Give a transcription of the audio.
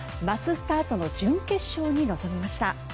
マススタートの準決勝に臨みました。